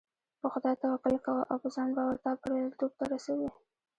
په خدای توکل کوه او په ځان باور تا برياليتوب ته رسوي .